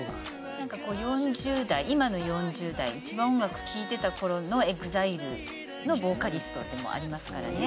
なんか４０代今の４０代一番音楽聴いてた頃のＥＸＩＬＥのボーカリストでもありますからね。